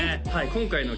今回の＃